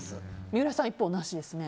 三浦さん、一方なしですね。